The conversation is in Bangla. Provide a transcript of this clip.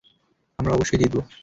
আমরা অবশ্যই জিতবো।